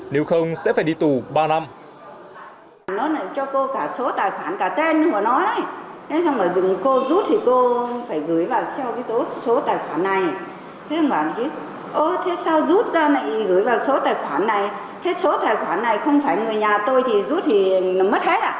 nếu không sẽ phải đi tù ba năm